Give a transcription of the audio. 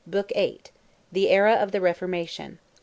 BOOK VIII. THE ERA OF THE REFORMATION.